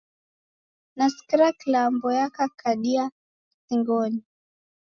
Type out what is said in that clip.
Nasikira kilambo yakakadia singonyi